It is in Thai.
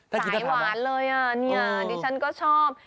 สายหวานเลยอ่ะเนี่ยดิฉันก็ชอบ